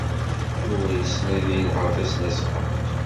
Yuba yessen ad yenheṛ tasnasɣalt.